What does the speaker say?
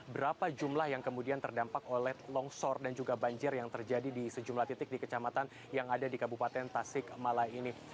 berapa jumlah yang kemudian terdampak oleh longsor dan juga banjir yang terjadi di sejumlah titik di kecamatan yang ada di kabupaten tasik mala ini